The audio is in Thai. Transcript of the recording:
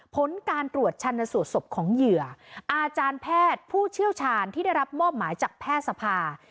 ผลการตรวจชันสูตรศพของเหยื่ออาจารย์แพทย์ผู้เชี่ยวชาญที่ได้รับมอบหมายจากแพทย์สภา